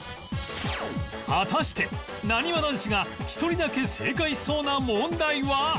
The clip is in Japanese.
果たしてなにわ男子が１人だけ正解しそうな問題は？